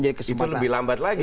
itu lebih lambat lagi